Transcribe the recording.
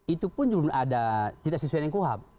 itu pun juga ada tidak sesuai dengan kohab